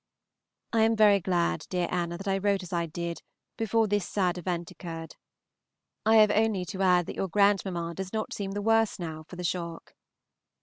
_ I am very glad, dear Anna, that I wrote as I did before this sad event occurred. I have only to add that your grandmamma does not seem the worse now for the shock.